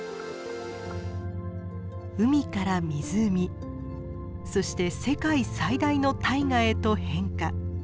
海から湖そして世界最大の大河へと変化。